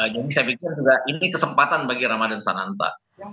jadi saya pikir ini juga kesempatan bagi ramadhan seranta